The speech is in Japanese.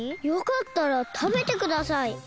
「よかったらたべてください。